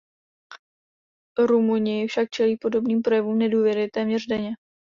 Rumuni však čelí podobným projevům nedůvěry téměř denně.